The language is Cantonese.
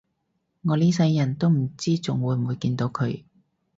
我呢世人都唔知仲會唔會見到佢